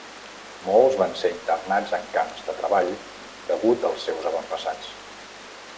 Molts van ser internats en camps de treball degut als seus avantpassats.